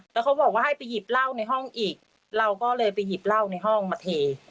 แล้วเขาบอกว่าให้ไปหยิบเหล้าในห้องอีกเราก็เลยไปหยิบเหล้าในห้องมาเท